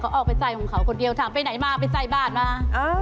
เขาออกไปใส่ของเขาคนเดียวถามไปไหนมาไปใส่บาทมา